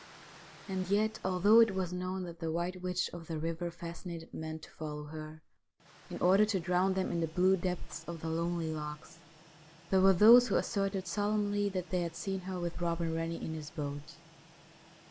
And yet, although it was known that the White Witch of the Eiver fascinated men to follow her in order to drown them in the blue depths of the lonely lochs, there were those who asserted solemnly that they had seen her with Eobin Rennie in his boat.